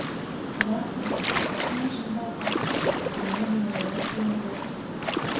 - Batyr, sen çyn batyr. Maňa bigaýrat diýerler.